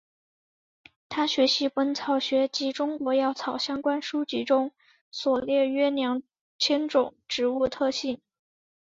他学习本草学及中国药草相关书籍中所列约两千种植物特性。